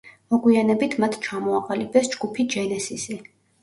მოგვიანებით მათ ჩამოაყალიბეს ჯგუფი ჯენესისი.